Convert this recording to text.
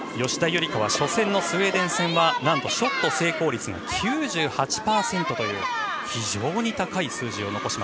吉田夕梨花は初戦のスウェーデン戦はなんとショット成功率が９８％という非常に高い数字。